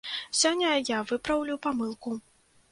Сёння я выпраўлю памылку.